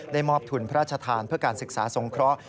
มอบทุนพระราชทานเพื่อการศึกษาสงเคราะห์